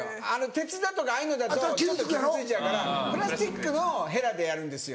鉄だとかああいうのだと傷ついちゃうからプラスチックのヘラでやるんですよ。